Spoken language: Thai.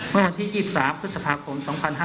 เมื่อวันที่๒๓พฤษภาคม๒๕๕๙